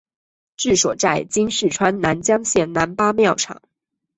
治所在今四川南江县南八庙场。